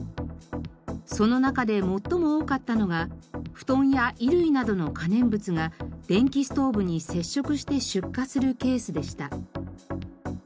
その中で最も多かったのが布団や衣類などの可燃物が電気ストーブに接触して出火するケースでした。